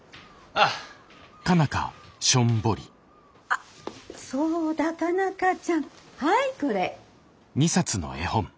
あっそうだ佳奈花ちゃんはいこれ。